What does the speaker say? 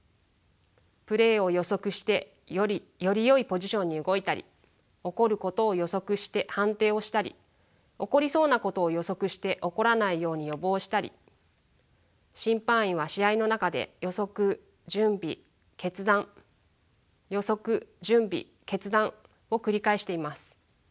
プレーを予測してよりよいポジションに動いたり起こることを予測して判定をしたり起こりそうなことを予測して起こらないように予防したり審判員は試合の中で予測準備決断予測準備決断を繰り返しています。